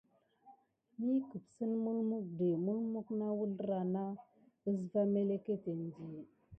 Mi kəpsen melmukdi mulmuk na əzlrah na əsva məleketen di.